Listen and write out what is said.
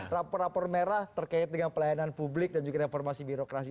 rapor rapor merah terkait dengan pelayanan publik dan juga reformasi birokrasi